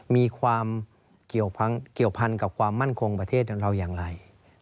มีความเกี่ยวพันกับความมั่นคงประเทศเราอย่างไร